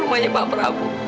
rumahnya pak prabu